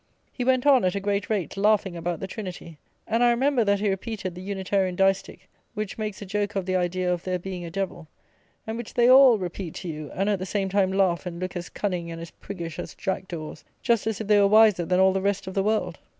He went on at a great rate, laughing about the Trinity; and I remember that he repeated the Unitarian distich, which makes a joke of the idea of there being a devil, and which they all repeat to you, and at the same time laugh and look as cunning and as priggish as Jack daws; just as if they were wiser than all the rest of the world!